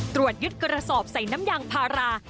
ตรวจยึดกระสอบใส่น้ำยางพารา